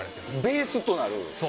ベースとなる。